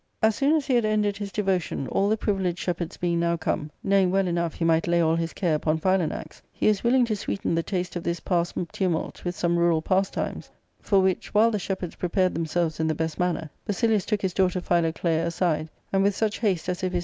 As soon as he had ended his devotion, all the privileged shepherds being now come, knowing well enough he might lay all his care upon Philanax, he was willing to sweeten the taste of this passed tumult with some rural pastimes ; for which while the shepherds prepared themselves in the best manner, Basilius took his daughter Philoclea aside, and with such haste as if his